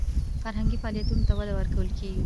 فرهنګي فعالیتونو ته وده ورکول کیږي.